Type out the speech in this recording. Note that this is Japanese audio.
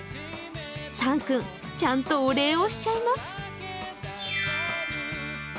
サン君、ちゃんとお礼をしちゃいます。